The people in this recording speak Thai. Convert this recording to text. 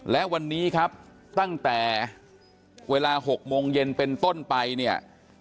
และวันนี้ครับตั้งแต่เวลา๖โมงเย็นเป็นต้นไปเนี่ย